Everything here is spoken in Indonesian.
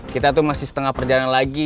kita tuh masih setengah perjalanan lagi